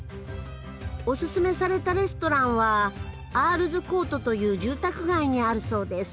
おススメされたレストランはアールズコートという住宅街にあるそうです。